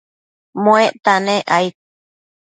muecta nec aid